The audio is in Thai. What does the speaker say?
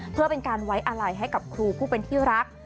เพื่อเป็นการไว้อาลัยให้กับครูผู้เป็นที่รัก